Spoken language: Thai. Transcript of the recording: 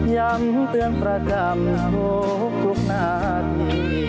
ยำเตือนประกำโภคทุกนาธิ